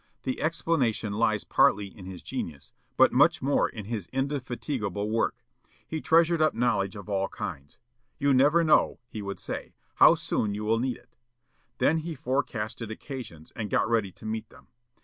The explanation lies partly in his genius, but much more in his indefatigable work. He treasured up knowledge of all kinds. 'You never know,' he would say, 'how soon you will need it.' Then he forecasted occasions, and got ready to meet them.